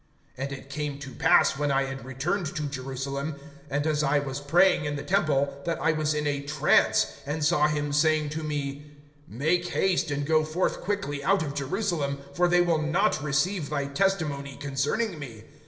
(17)And it came to pass, when I had returned to Jerusalem, and as I was praying in the temple, that I was in a trance, (18)and saw him saying to me: Make haste, and go forth quickly out of Jerusalem; for they will not receive thy testimony concerning me.